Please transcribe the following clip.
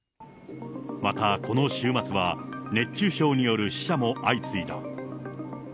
また、この週末は、熱中症による死者も相次いだ。